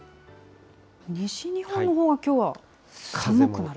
西日本のほうはきょうは寒くなる。